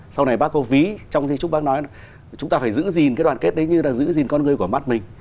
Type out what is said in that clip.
sau này bác có ví trong di trúc bác nói là chúng ta phải giữ gìn cái đoàn kết đấy như là giữ gìn con người của mắt mình